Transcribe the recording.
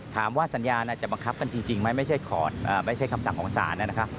ถามว่าสัญญาจะบังคับกันจริงไหมไม่ใช่คำสั่งของศาลนะครับ